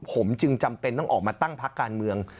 ผมจึงจำเป็นต้องออกมาตั้งพักการเมือง